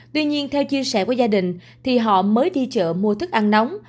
tuy nhiên theo chia sẻ của gia đình thì họ mới đi chợ mua thức ăn nóng